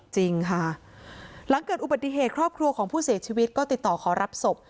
จริงค่ะหลังเกิดอุบัติเหตุครอบครัวของผู้เสียชีวิตก็ติดต่อขอรับศพ